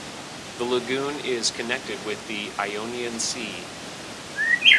The lagoon is connected with the Ionian Sea.